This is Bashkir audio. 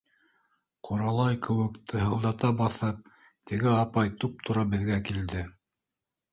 Ҡоралай кеүек тыһылдата баҫып, теге апай туп-тура беҙгә килде.